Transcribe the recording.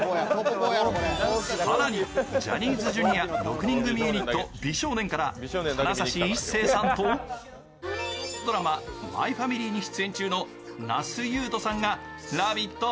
更に、ジャニーズＪｒ．６人組ユニット、美少年から金指一世さんと、ドラマ「マイファミリー」に出演中の那須雄登さんが「ラヴィット！」